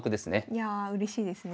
いやあうれしいですね。